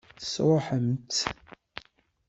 Tesṛuḥem-tt?